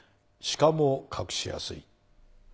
しかも隠しやすい。